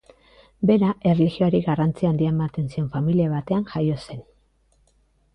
Bera erlijioari garrantzi handia ematen zion familia batean jaio zen.